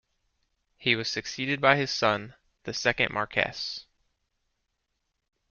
He was succeeded by his son, the second Marquess.